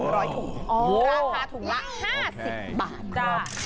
ราคาถุงละ๕๐บาท